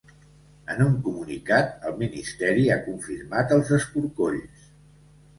En un comunicat, el ministeri ha confirmat els escorcolls.